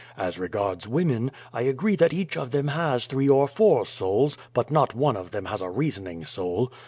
As regards women, I agree that each of them has three or four souls, but not one of them has a reasoning soul.